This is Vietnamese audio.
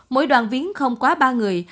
mỗi đoàn viến không quá ba người